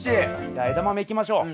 じゃあエダマメいきましょう。